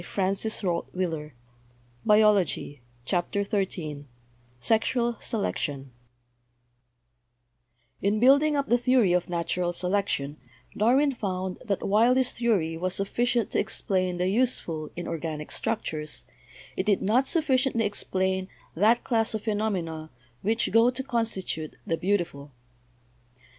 CHAPTER XIII SELECTION — SEXUAL SELECTION In building up the theory of Natural Selection Darwin found that while this theory was sufficient to explain the useful in organic structures it did not sufficiently explain "that class of phenomena which go to constitute the Beautiful."